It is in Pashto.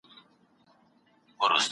سیالۍ په ازاد بازار کي شتون درلود.